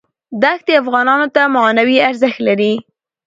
دښتې افغانانو ته معنوي ارزښت لري.